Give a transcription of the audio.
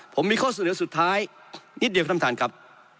ผมมีข้อเสนอสุดท้ายนิดเดียวครับท่านประธานครับ